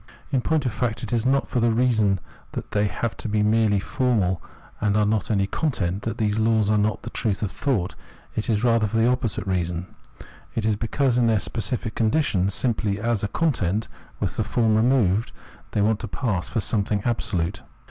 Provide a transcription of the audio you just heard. In point of fact it is not for the reason that they have to be merely formal and are not to have any content, that these laws are not the truth of thought; it is rather for the opposite reason. It is because in their specific condition, simply as a content with the form removed, they want to pass for something absolute.